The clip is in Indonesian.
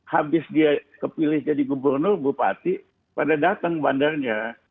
habis dia kepilih jadi gubernur bupati pada datang bandarnya